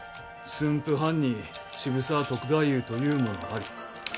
「駿府藩に渋沢篤太夫というものあり。